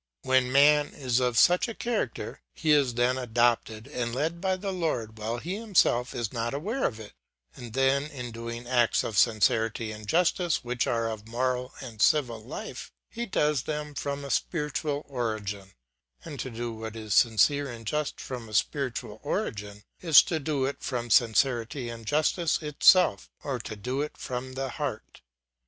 When man is of such a character, he is then adopted and led by the Lord while he himself is not aware of it, and then in doing acts of sincerity and justice which are of moral and civil life, he does them from a spiritual origin ; and to do what is sincere and just from a spiritual origin, is to do it from sincerity and justice itself, or to do it from the heart.